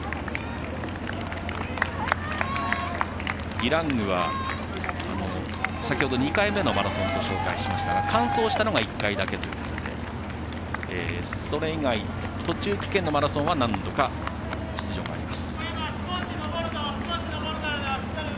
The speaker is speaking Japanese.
ディラングは、先ほど２回目のマラソンと紹介しましたが完走したのが１回だけということでそれ以外、途中棄権のマラソンは何度か出場があります。